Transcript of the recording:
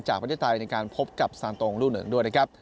จากประเทศไทยในการพบกับซานตรงรูเหนิงด้วยนะครับ